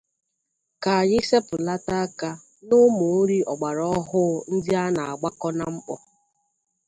Ka anyị sepụlata aka n'ụmụ nrị ọgbara ọhụụ ndị aṅna-agbakọ na mkpọ